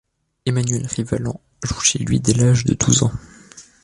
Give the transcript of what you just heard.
Emmanuel Rivalan joue chez lui dès l'âge de douze ans.